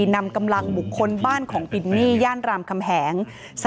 นำกำลังบุคคลบ้านของปินนี่ย่านรามคำแหง